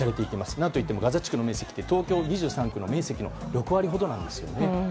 何といってもガザ地区の面積は東京２３区の６割ほどなんです。